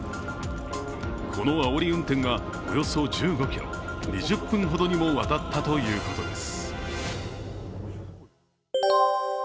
このあおり運転はおよそ１５ｋｍ２０分ほどにもわたったということです。